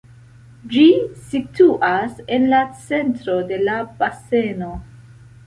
Ĝi situas en la centro de la baseno.